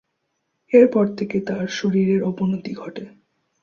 এর পর থেকে তার শরীরের অবনতি ঘটে।